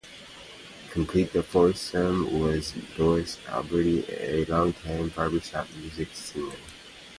Completing the foursome was Doris Alberti, a long-time barbershop music singer.